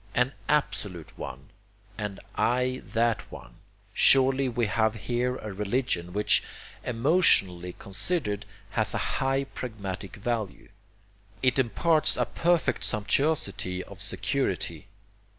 AN ABSOLUTE ONE, AND I THAT ONE surely we have here a religion which, emotionally considered, has a high pragmatic value; it imparts a perfect sumptuosity of security.